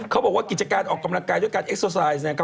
เขาบอกว่ากิจการออกกำลังกายด้วยการเอ็กโซไซด์นะครับ